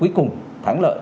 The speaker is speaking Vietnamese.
cuối cùng thắng lợi